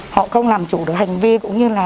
họ không làm chủ được hành vi cũng như là